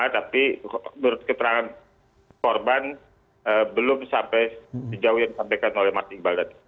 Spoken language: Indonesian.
tapi berdasarkan keterangan korban belum sampai sejauh yang disampaikan oleh marti iqbal